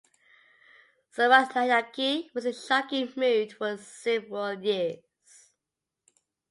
So Rathnayake was in shocking mood for several years.